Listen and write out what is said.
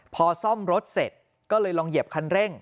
พอซ่อมรถเสร็จก็เลยลองเหยียบคันเร่ง